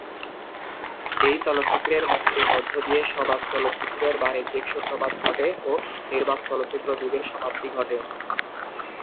এই চলচ্চিত্রের মুক্তির মধ্য দিয়ে সবাক চলচ্চিত্রের বাণিজ্যিক সূত্রপাত ঘটে ও নির্বাক চলচ্চিত্র যুগের সমাপ্তি ঘটে।